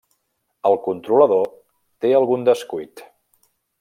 El controlador té algun descuit.